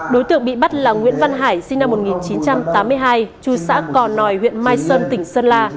đối tượng bị bắt là nguyễn văn hải sinh năm một nghìn chín trăm tám mươi hai trù xã cò nòi huyện mai sơn tỉnh sơn la